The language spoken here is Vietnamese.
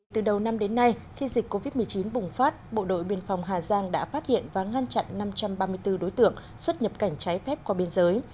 từ đầu năm đến nay khi dịch covid một mươi chín bùng phát bộ đội biên phòng hà giang đã phát hiện và ngăn chặn năm trăm ba mươi bốn đối tượng xuất nhập cảnh trái phép qua biên giới